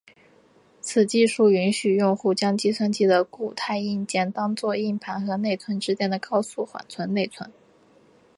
此技术允许用户将计算机的固态硬盘当做硬盘和内存之间的高速缓存内存。